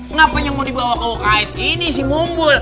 ngapanya mau dibawa ke uks ini sih mumbul